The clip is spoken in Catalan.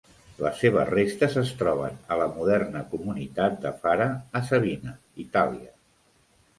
Les seves restes es troben a la moderna comunitat de Fara a Sabina, Itàlia.